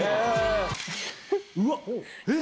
うわっ！